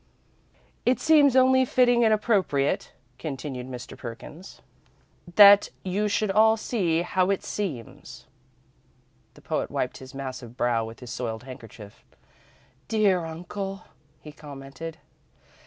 "'It seems only fitting and appropriate,'" continued Mr. Perkins, "'that you should all see how it seems.'" The poet wiped his massive brow with his soiled handkerchief. "Dear uncle!" he commented.